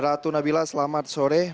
ratu nabila selamat sore